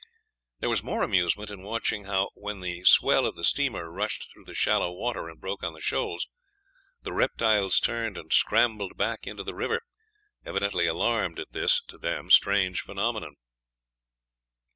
There was more amusement in watching how, when the swell of the steamer rushed through the shallow water and broke on the shoals, the reptiles turned and scrambled back into the river, evidently alarmed at this, to them, strange phenomenon.